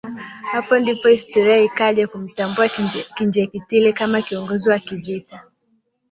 Hapo ndipo historia ikaja kumtambua Kinjekitile kama kiongozi wa kivita